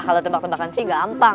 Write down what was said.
ah kalau tebak tebakan sih gampang